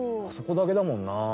あそこだけだもんな。